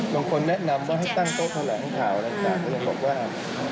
บางคนแนะนำว่าให้ตั้งโต๊ะแทรกของข่าวอะไรก็จะบอกว่า